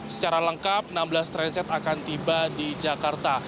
secara lengkap enam belas transit akan tiba di jakarta